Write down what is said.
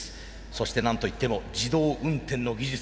そしてなんといっても自動運転の技術